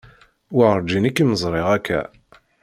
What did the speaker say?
Werǧin i kem-ẓriɣ akka.